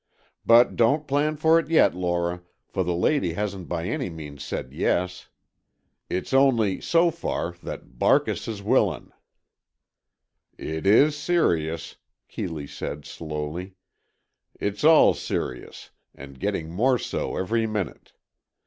"But don't plan for it yet, Lora, for the lady hasn't by any means said yes. It's only, so far, that 'Barkis is willin'.'" "It is serious," Keeley said, slowly. "It's all serious, and getting more so every minute.